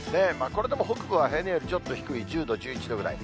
これでも北部は平年よりちょっと低い１０度、１１度ぐらい。